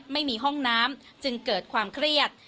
ไม่มีห้องน้ำจึงเกิดความเครียด